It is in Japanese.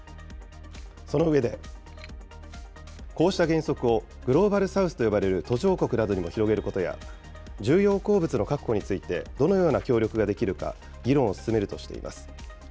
その上で、こうした原則をグローバル・サウスと呼ばれる途上国などにも広げることや、重要鉱物の確保について、どのような協力ができるか、議論を進めるとしています。